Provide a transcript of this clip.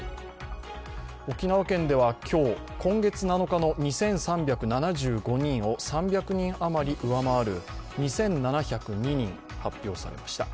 沖縄県では今日、今月７日の２３７５人を３００人余り上回る２７０２人、発表されました。